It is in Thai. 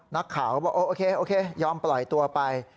นักข่าวก็บอกโอเคโอเคยอมปล่อยตัวไป